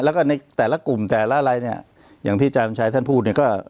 แล้วก็ในแต่ละกลุ่มแต่ละอะไรเนี่ยอย่างที่อาจารย์ชัยท่านพูดเนี่ยก็